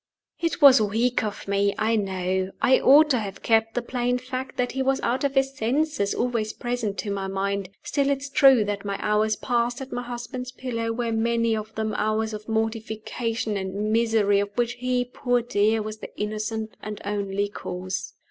It was weak of me, I know; I ought to have kept the plain fact that he was out of his senses always present to my mind: still it is true that my hours passed at my husband's pillow were many of them hours of mortification and misery of which he, poor dear, was the innocent and only cause.